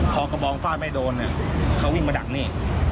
พอกระบองฟาดไม่โดนเนี่ยเขาวิ่งมาดักนี่